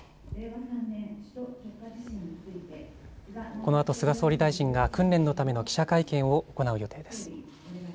このあと菅総理大臣が訓練のための記者会見を行う予定です。